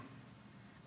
untuk saat ini ya